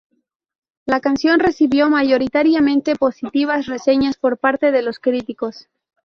La canción recibió mayoritariamente positivas reseñas por parte de los críticos.